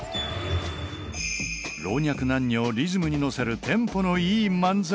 老若男女をリズムに乗せるテンポのいい漫才